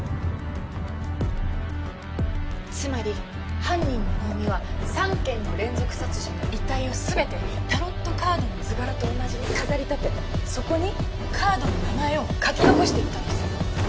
つまり犯人の能見は３件の連続殺人の遺体を全てタロットカードの図柄と同じに飾り立てそこにカードの名前を書き残していったんです。